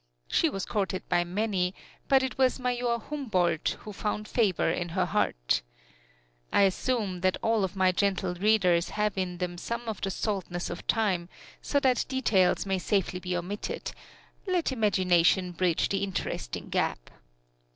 She was courted by many, but it was Major Humboldt who found favor in her heart. I assume that all of my gentle readers have in them some of the saltness of time, so that details may safely be omitted let imagination bridge the interesting gap.